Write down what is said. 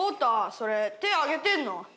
それ手挙げてんの？